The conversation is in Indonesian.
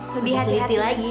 lebih hati hati lagi